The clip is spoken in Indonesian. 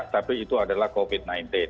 tapi itu adalah covid sembilan belas